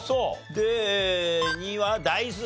で２は大豆。